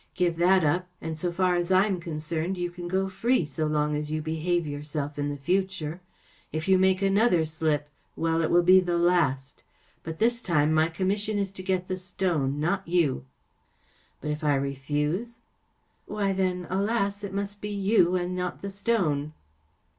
Give that up, and so far as I am concerned you can go free so long as you behave yourself in the future. If you make another slip‚ÄĒwell, it will be the last. But this time my com¬ mission is to get the stone, not you." “ But if I refuse ?" “ Why, then‚ÄĒalas !‚ÄĒit must be you and not the stone."